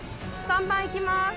３番行きます。